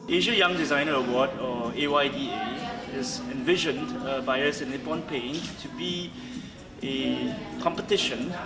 aida adalah kompetisi bukan hanya kompetisi